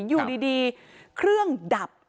อยู่ดีเครื่องดับ